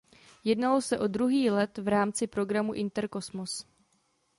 Jednalo se o druhý let v rámci programu Interkosmos.